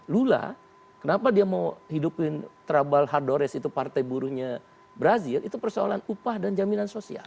lula kenapa dia mau hidupin trabal hardores itu partai buruhnya brazil itu persoalan upah dan jaminan sosial